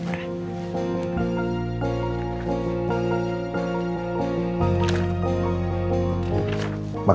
kalau gitu saya permisi pak